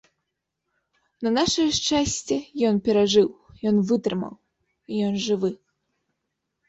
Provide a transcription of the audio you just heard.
На нашае шчасце, ён перажыў, ён вытрымаў, ён жывы.